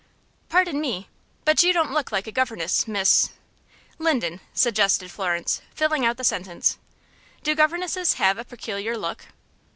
"Pardon me, but you don't look like a governess, Miss " "Linden," suggested Florence, filling out the sentence. "Do governesses have a peculiar look?"